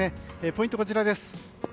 ポイント、こちらです。